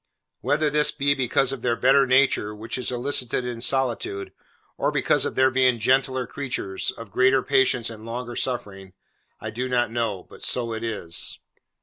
Whether this be because of their better nature, which is elicited in solitude, or because of their being gentler creatures, of greater patience and longer suffering, I do not know; but so it is.